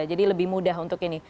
jadi lebih mudah untuk ini